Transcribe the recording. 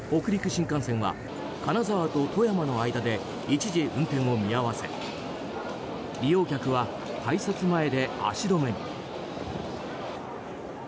新幹線は金沢と富山の間で一時運転を見合わせ利用客は改札前で足止めに。